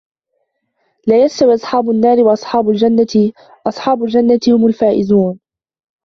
لا يستوي أصحاب النار وأصحاب الجنة أصحاب الجنة هم الفائزون